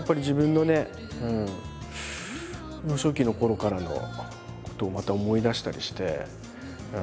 幼少期のころからのことをまた思い出したりして。